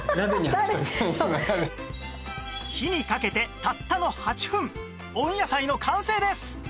火にかけてたったの８分温野菜の完成です